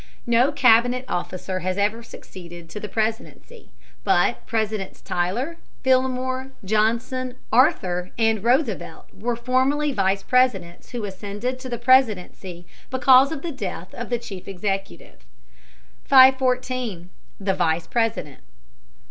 No Cabinet officer has ever succeeded to the Presidency, but Presidents Tyler, Fillmore, Johnson, Arthur, and Roosevelt were formerly Vice Presidents who ascended to the Presidency because of the death of the chief executive. 514. THE VICE PRESIDENT.